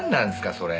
それ。